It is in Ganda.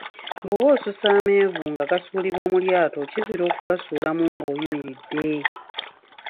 Bwoba oususa amenvu nga gasuulibwa mu lyato, kizira okugasuulamu nga oyimiridde.